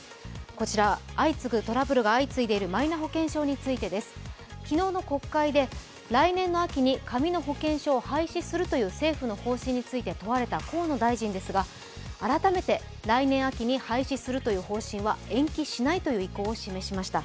こちらトラブルが相次いでいるまいな保険証についてです、昨日の国会で来年の秋に紙の保険証を廃止するという政府の方針について問われた河野大臣ですが、改めて、来年秋に廃止するという方針は延期しないという意向を示しました。